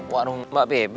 warung mbak baby